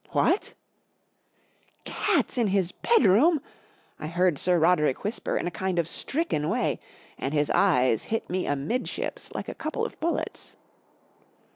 4# What !" 44 Cats in his bedroom 1 M I heard Sir Roderick whisper in a kind of stricken way, and his eyes hit me amidships like a couple of bullets.